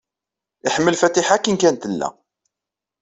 Iḥemmel Fatiḥa akken kan tella.